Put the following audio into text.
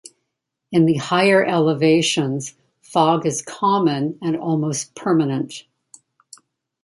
In the higher elevations fog is common and almost permanent.